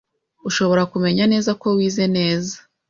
Ushobora kumenya neza ko wize neza